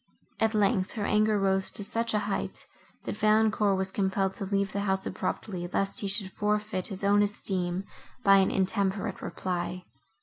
At length, her anger rose to such a height, that Valancourt was compelled to leave the house abruptly, lest he should forfeit his own esteem by an intemperate reply.